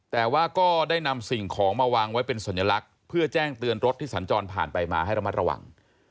แต่ว่าก็ได้นำสิ่งของมาวางไว้เป็นสัญลักษณ์เพื่อแจ้งเตือนรถที่สัญจรผ่านไปมาให้ระมัดระวัง